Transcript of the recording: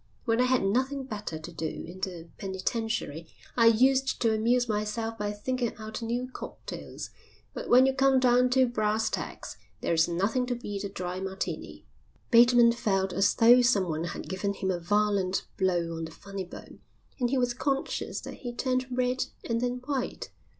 When I had nothing better to do in the penitentiary I used to amuse myself by thinking out new cocktails, but when you come down to brass tacks there's nothing to beat a dry Martini." Bateman felt as though someone had given him a violent blow on the funny bone and he was conscious that he turned red and then white.